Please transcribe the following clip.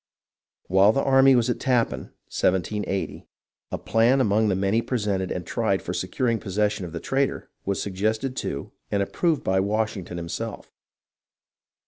While the army was at Tappan (1780) a plan, among the many presented and tried for securing possession of the traitor, was suggested to, and approved by, Washington himself.